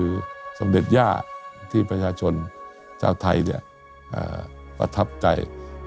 จากสมเด็จพระราชนีคือสมเด็จย่าที่ประชาชนเจ้าไทยประทับใจ